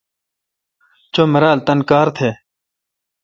چو مرال تان کار تھ۔